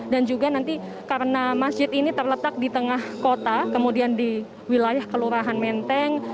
juga nanti karena masjid ini terletak di tengah kota kemudian di wilayah kelurahan menteng